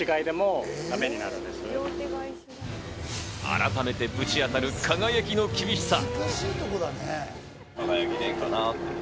改めてぶち当たる「輝」の厳しさ。